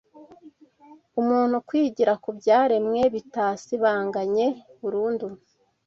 umuntu kwigira ku byaremwe bitasibanganye burundu